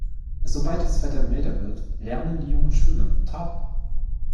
Sobald das Wetter milder wird, lernen die Jungen schwimmen und tauchen.